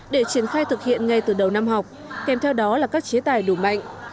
để triển khai thực hiện ngay từ đầu năm học kèm theo đó là các chế tài đủ mạnh